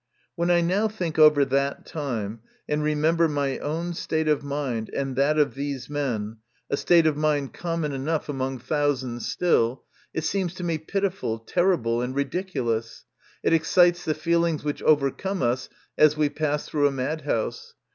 When I now think over that time, and remember my own state of mind and that of these men (a state of mind common enough MY CONFESSION. 15 among thousands still), it seems to me pitiful, terrible, and ridiculous ; it excites the feelings which overcome us as we pass through a madhouse.